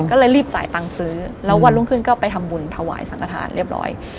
ก็เลยรีบจ่ายตังค์ซื้อแล้ววันรุ่งขึ้นก็ไปทำบุญถวายสังกฐานเรียบร้อย